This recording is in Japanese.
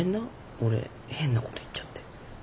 俺変なこと言っちゃって。